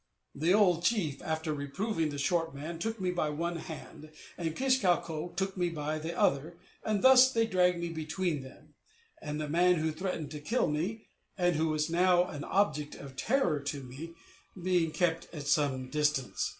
The old chief, after reproving the short man, took me by one hand, and Kish kau ko took me by the other and thus they dragged me between them, the man who threatened to kill me, and who was now an object of terror to me, being kept at some distance.